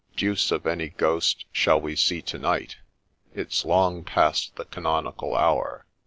Deuce of any ghost shall we see to night ; it 's long past the canonical hour.